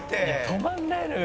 「止まんないのよ」